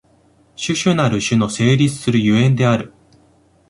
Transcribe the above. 種々なる種の成立する所以である。